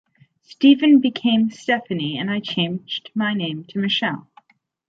Steven became Stephanie and I changed my name to Michelle.